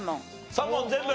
３問全部！